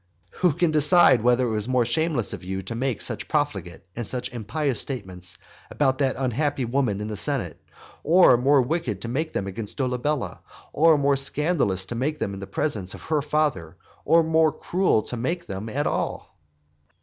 Who can decide whether it was more shameless of you to make such profligate and such impious statements against that unhappy woman in the senate, or more wicked to make them against Dolabella, or more scandalous to make them in the presence of her father, or more cruel to make them at all?